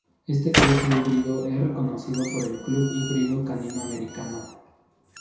Este cruce híbrido es reconocido por el club híbrido canino americano.